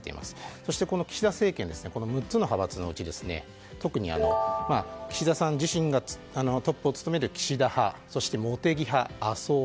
そして岸田政権この６つの派閥のうち岸田さん自身がトップを務める岸田派そして茂木派、麻生派